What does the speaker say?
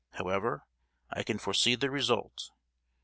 However, I can foresee the result.